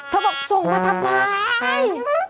บอกส่งมาทำไม